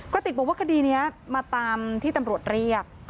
ติกบอกว่าคดีนี้มาตามที่ตำรวจเรียก